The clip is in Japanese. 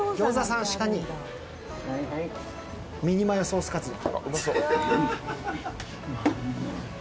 ミニマヨソースカツ丼。